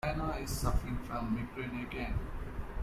Diana is suffering from migraine again.